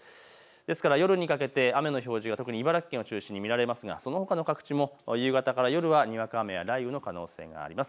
ですから夜にかけて雨の表示が特に茨城県を中心に見られますがそのほかの各地も夕方から夜はにわか雨や雷雨の可能性があります。